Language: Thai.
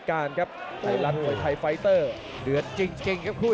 กระโดยสิ้งเล็กนี่ออกกันขาสันเหมือนกันครับ